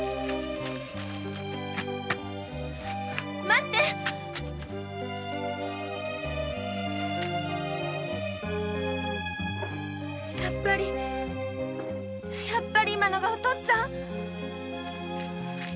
待ってやっぱりやっぱり今のがおとっつぁん？